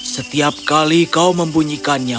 setiap kali kau membunyikannya